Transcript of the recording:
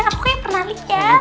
aku kayaknya pernah liat